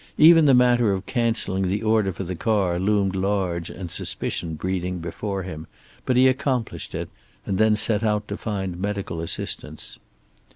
Even the matter of cancelling the order for the car loomed large and suspicion breeding before him, but he accomplished it, and then set out to find medical assistance.